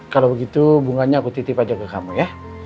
kalau begitu bunganya aku titip aja ke kamu ya